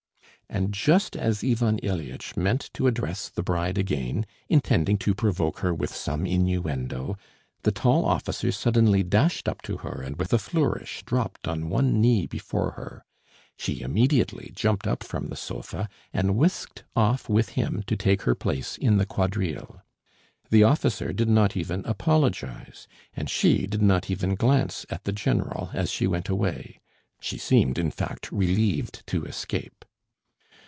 And just as Ivan Ilyitch meant to address the bride again, intending to provoke her with some innuendo, the tall officer suddenly dashed up to her and with a flourish dropped on one knee before her. She immediately jumped up from the sofa, and whisked off with him to take her place in the quadrille. The officer did not even apologise, and she did not even glance at the general as she went away; she seemed, in fact, relieved to escape.